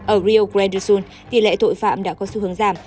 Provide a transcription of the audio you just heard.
ở rio grande do sul tỷ lệ tội phạm đã có xu hướng giảm